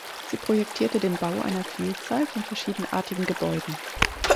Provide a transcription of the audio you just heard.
Sie projektierte den Bau einer Vielzahl von verschiedenartigen Gebäuden.